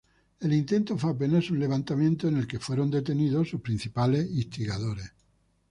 El intento fue apenas un levantamiento, en el que fueron detenidos sus principales instigadores.